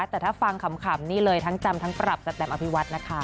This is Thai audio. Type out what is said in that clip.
แต่ถ้าฟังขำนี่เลยทั้งจำทั้งปรับสแตมอภิวัฒน์นะคะ